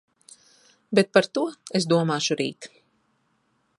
Bet par to es domāšu rīt.